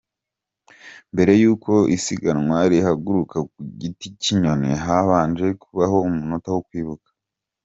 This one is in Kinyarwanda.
Mbere yuko isiganwa rihaguruka ku Giticyinyonyi habanje kubaho umunota wo kwibuka.